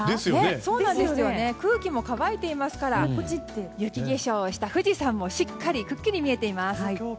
空気も乾いていますから雪化粧した富士山もしっかりくっきり見えています。